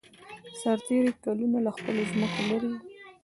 سرتېري کلونه له خپلو ځمکو لېرې وو.